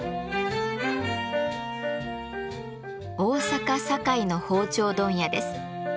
大阪・堺の包丁問屋です。